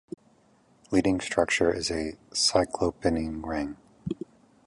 Leading structure is a cyclopentane-ring.